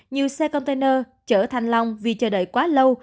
nhiều xe container chở thanh long vì chờ đợi quá lâu